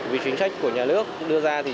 vì chính sách của nhà nước đưa ra thì